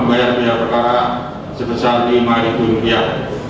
seluruhnya dipergunakan dalam perkara atas nama kebun kajar